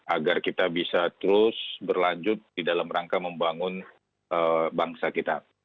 agar kita bisa terus berlanjut di dalam rangka membangun bangsa kita